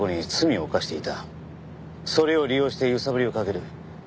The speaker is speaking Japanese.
それを利用して揺さぶりをかける。